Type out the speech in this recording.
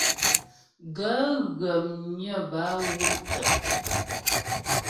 Gaə̂ ghə̀ mnyə́ bə a wú’ tə'.